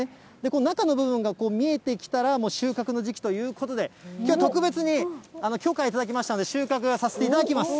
この中の部分が見えてきたら、もう収穫の時期ということで、きょう特別に許可頂きましたので、収穫をさせていただきます。